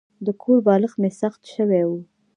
د کور بالښت مې سخت شوی و.